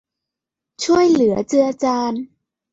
ช่วยเหลือเจือจาน